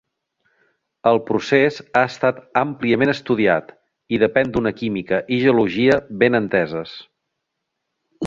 El procés ha estat àmpliament estudiat i depèn d'una química i geologia ben enteses.